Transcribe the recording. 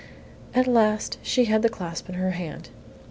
At last she had the clasp in her hand.